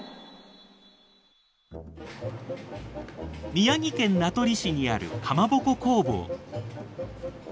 宮城県名取市にあるかまぼこ工房。